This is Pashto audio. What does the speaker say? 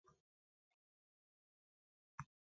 د افغانستان طبیعت له بېلابېلو ژبو څخه جوړ شوی دی.